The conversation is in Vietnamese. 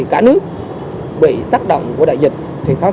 cả nước bị tác động của đại dịch thì khó